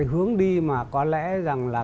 là cái hướng đi mà có lẽ rằng là